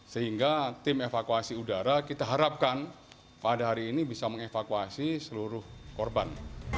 sehingga tim evakuasi udara kita harapkan pada hari ini bisa mengevakuasi seluruh korban